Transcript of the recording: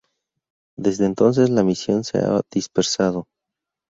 Desde entonces la misión se ha dispersado.